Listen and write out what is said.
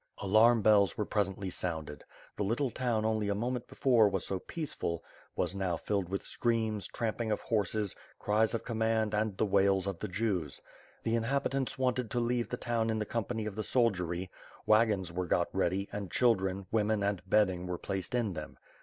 Alarm bells were presently sounded The little town only a moment before was so peaceful, was now filled with screams, tramping of horses, cries of com mand and the wails of the Jews. The inhabitants wanted to leave the town in the company of the soldiery. Wagons were got ready, and children, women, and bedding were placed in them.